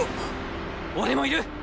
俺もいる！